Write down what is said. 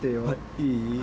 いい？